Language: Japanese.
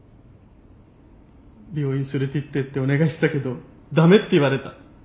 病院連れてってってお願いしたけど駄目って言われた。